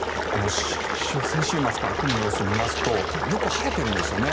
先週末から雲の様子を見ますとよく晴れているんですね。